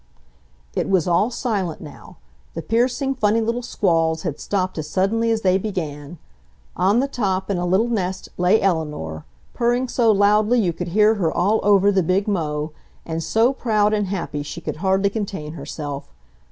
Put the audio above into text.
It was all silent now—the piercing, funny little squalls had stopped as suddenly as they began. On the top in a little nest lay Eleanor, purring so loudly you could hear her all over the big mow, and so proud and happy she could hardly contain herself.